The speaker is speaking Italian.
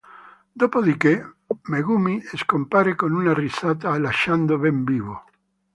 Dopodiché, Megumi scompare con una risata e lasciando Ben vivo.